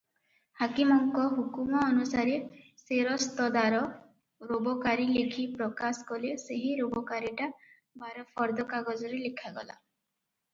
ହାକିମଙ୍କ ହୁକୁମ ଅନୁସାରେ ସେରସ୍ତଦାର ରୋବକାରୀ ଲେଖି ପ୍ରକାଶ କଲେ ସେହି ରୋବକାରୀଟା ବାରଫର୍ଦ୍ଧ କାଗଜରେ ଲେଖଗଲା ।